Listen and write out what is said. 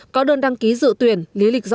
có đơn đăng ký dự tuyển lý lịch dọn